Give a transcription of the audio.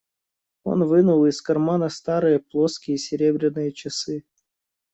Он вынул из кармана старые плоские серебряные часы.